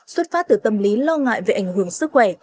xuất phát từ tâm lý lo ngại về ảnh hưởng sức khỏe